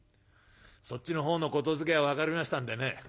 そっちのほうの言づけは分かりましたんでね